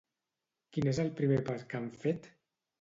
Quin és el primer pas que han fet?